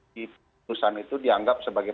keputusan itu dianggap sebagai